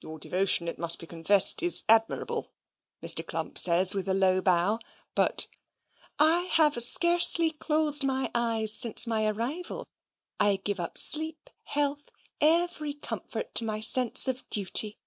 "Your devotion, it must be confessed, is admirable," Mr. Clump says, with a low bow; "but " "I have scarcely closed my eyes since my arrival: I give up sleep, health, every comfort, to my sense of duty.